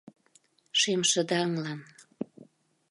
— Шемшыдаҥлан.